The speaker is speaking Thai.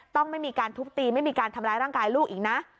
ต้องไม่มีการทุบตีไม่มีการทำร้ายร่างกายลูกอีกนะ